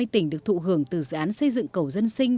năm mươi tỉnh được thụ hưởng từ dự án xây dựng cầu dân sinh